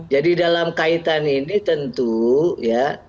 jadi dalam kaitan ini tentu ya